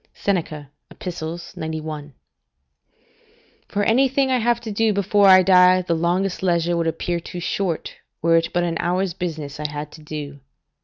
Seneca, Ep., 91.] For anything I have to do before I die, the longest leisure would appear too short, were it but an hour's business I had to do.